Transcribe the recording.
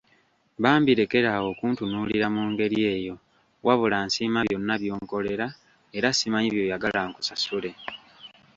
Bambi lekera awo okuntunuulira mu ngeri eyo wabula nsiima byonna byonkolera era simanyi by’oyagala nkusasule.